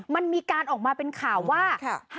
มันมีการออกมาเป็นข่าวว่า